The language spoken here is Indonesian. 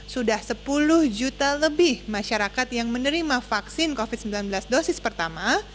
sudah sepuluh juta lebih masyarakat yang menerima vaksin covid sembilan belas dosis pertama